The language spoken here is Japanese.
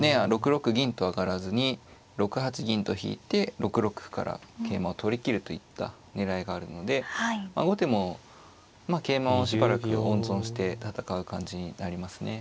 ６六銀と上がらずに６八銀と引いて６六歩から桂馬を取りきるといった狙いがあるので後手もまあ桂馬をしばらく温存して戦う感じになりますね。